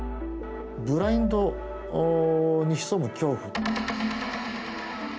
ブラインドに潜む恐怖。